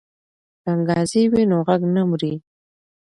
که انګازې وي نو غږ نه مري.